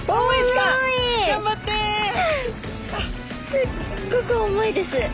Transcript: すっごく重いです。